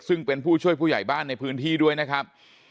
ซึ่งเป็นผู้ช่วยผู้ใหญ่บ้านในพื้นที่ด้วยนะครับ